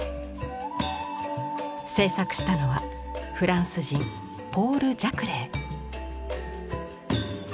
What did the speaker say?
制作したのはフランス人ポール・ジャクレー。